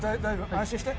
安心して。